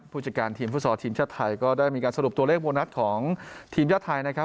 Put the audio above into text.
ผู้จัดการทีมฟุตซอลทีมชาติไทยก็ได้มีการสรุปตัวเลขโบนัสของทีมชาติไทยนะครับ